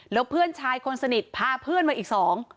แล้วเพื่อนชายคนสนิทพาเพื่อนมาอีกสอง